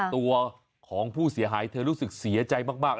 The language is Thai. ตัวของผู้เสียหายเธอรู้สึกเสียใจมาก